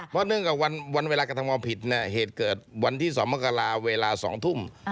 เพราะเนื่องกับวันเวลากระทำความผิดเนี่ยเหตุเกิดวันที่๒มกราเวลา๒ทุ่ม